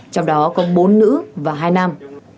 trong đó có bốn nữ và hai nam